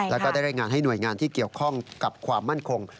แล้วก็ได้รายงานให้หน่วยงานที่เกี่ยวข้องกับความมั่นคง